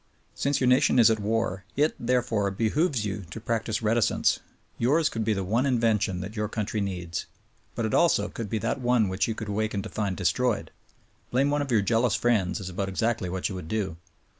Since your nation is at war it, therefore, behooves you to practice reticence. Yours could be ithe one invention that your country needs ; but it also could be that one which you could awaken to find destroyed. Blame one of your jealous friends is about exactly what you would do.